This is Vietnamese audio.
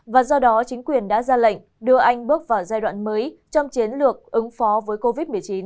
và do đó chính quyền đã ra lệnh đưa anh bước vào giai đoạn mới trong chiến lược ứng phó với covid một mươi chín